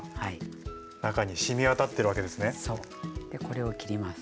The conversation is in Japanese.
これを切ります。